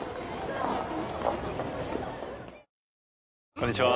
こんにちは。